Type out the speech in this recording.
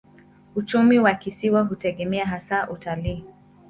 Uchumi wa kisiwa hutegemea hasa utalii.